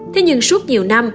thế nhưng suốt nhiều năm